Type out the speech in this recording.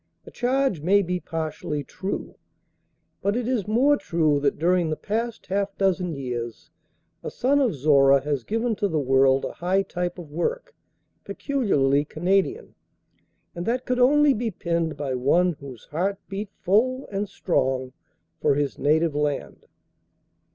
The charge may be partially true, but it is more true that during the past half dozen years a son of Zorra has given to the world a high type of work, peculiarly Canadian, and that could only be penned by one whose heart beat full and strong for his native land.